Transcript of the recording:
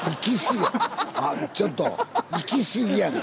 あちょっと行きすぎやねん！